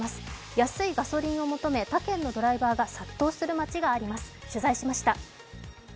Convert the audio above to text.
安いガソリンを求め、他県のドライバーが殺到する街があります、取材しました。